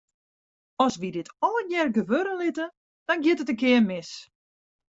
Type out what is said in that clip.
As wy dit allegear gewurde litte, dan giet it in kear mis.